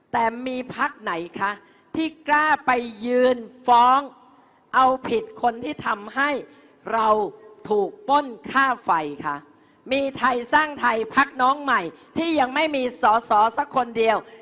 แต่มีพักไหนคะที่กล้าไปยืนฟ้องเอาผิดคนที่ทำให้เราถูกป้นค่าไฟคะมีไทยสร้างไทยพักน้องใหม่ที่ยังไม่มีสอสอสักคนเดียว